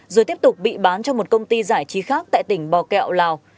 rồi tiếp tục bị bán cho một công ty giải trí khác tại tỉnh bò kẹo lào